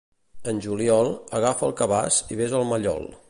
En juliol, agafa el cabàs i ves al mallol.